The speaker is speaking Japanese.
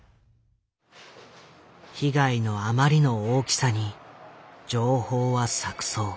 被害のあまりの大きさに情報は錯綜。